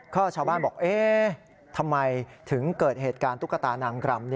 ก็ชาวบ้านบอกเอ๊ะทำไมถึงเกิดเหตุการณ์ตุ๊กตานางรำ